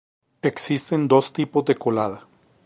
Existen dos tipos de colada.